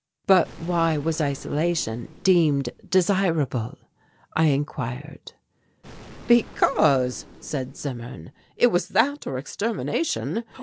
"But why was isolation deemed desirable?" I enquired. "Because," said Zimmern, "it was that or extermination.